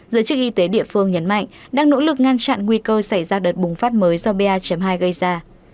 giới chức y tế địa phương nhấn mạnh đang nỗ lực ngăn chặn nguy cơ xảy ra đợt bùng phát mới do ba hai gây ra